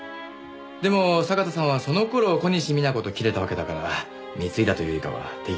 でも酒田さんはその頃小西皆子と切れたわけだから貢いだというよりかは手切れ金。